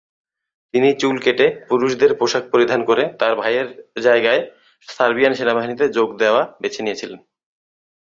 তিনি চুল কেটে, পুরুষদের পোশাক পরিধান করে তাঁর ভাইয়ের জায়গায় সার্বিয়ান সেনাবাহিনীতে যোগ দেওয়া বেছে নিয়েছিলেন।